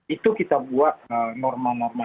itu kita buat normal normal